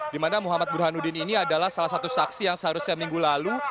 dimana muhammad burhanuddin ini adalah salah satu saksi yang seharusnya minggu lalu